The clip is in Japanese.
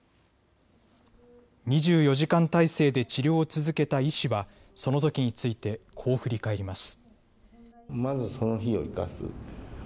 ２４時間体制で治療を続けた医師はそのときについてこう振り返ります。